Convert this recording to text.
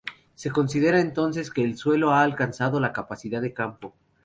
Se considera entonces que el suelo ha alcanzado la "capacidad de campo".